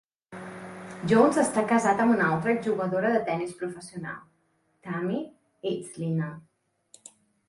Jones està casat amb una altra exjugadora de tenis professional, Tami Whitlinger.